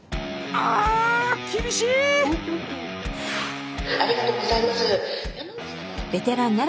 ありがとうございます。